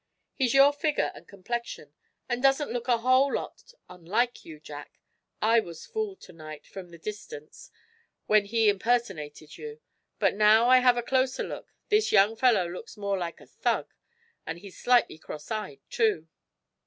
"He's your figure, and complexion, and doesn't look a whole lot unlike you, Jack. I was fooled to night, from the distance, when he impersonated you. But, now I have a closer look, this young fellow looks more like a thug, and he's slightly cross eyed, too."